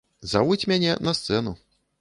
Завуць мяне на сцэну.